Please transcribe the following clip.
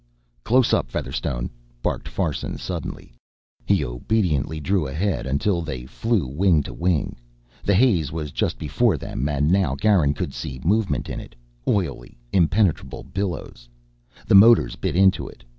"Close up, Featherstone!" barked Farson suddenly. He obediently drew ahead until they flew wing to wing. The haze was just before them and now Garin could see movement in it, oily, impenetrable billows. The motors bit into it.